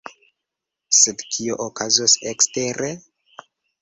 Sed kio okazos ekstere?